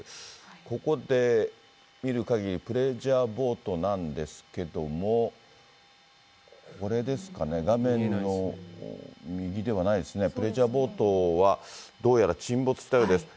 ここで見るかぎり、プレジャーボートなんですけども、これですかね、画面の右ではないですね、プレジャーボートはどうやら沈没したようです。